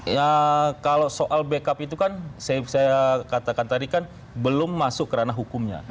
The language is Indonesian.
ya kalau soal backup itu kan saya katakan tadi kan belum masuk ke ranah hukumnya